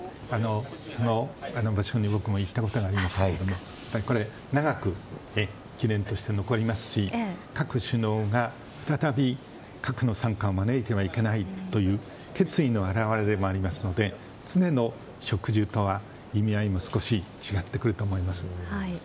僕も行ったことがありますが長く記念として残りますし各首脳が、再び核の惨禍を招いてはいけないという決意の表れでもありますので常の植樹とは意味合いも少し違ってくると思います。